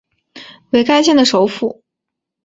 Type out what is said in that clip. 为该县的首府。